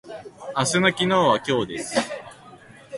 明日の昨日は今日です。